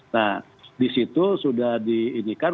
nah disitu sudah disesuaikan